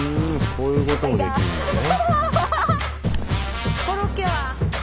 こういうこともできんのね。